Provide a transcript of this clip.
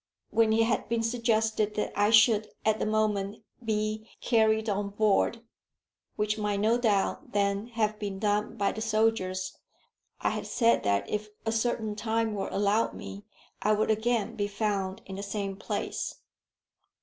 When it had been suggested that I should at the moment be carried on board, which might no doubt then have been done by the soldiers, I had said that if a certain time were allowed me I would again be found in the same place.